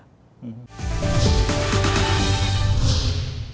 bagi seluruh warga negara